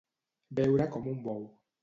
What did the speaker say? Beure com un bou.